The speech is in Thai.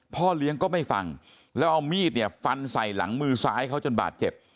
พ่อเลี้ยงก็ไม่ฟังแล้วเอามีดเนี่ยฟันใส่หลังมือซ้ายเขาจนบาดเจ็บ